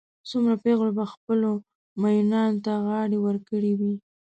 څومره پېغلو به خپلو مئینانو ته غاړې ورکړې وي.